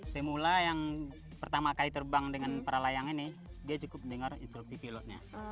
semula yang pertama kali terbang dengan para layang ini dia cukup mendengar instruksi pilotnya